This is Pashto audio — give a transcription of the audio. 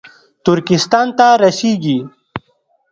ترکستان ته رسېږي